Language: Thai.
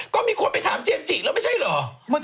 ก็มีคนไปถามเจมสจิแล้วไม่ใช่เหรอ